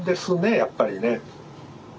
やっぱりね。